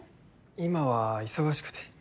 今は忙しくて。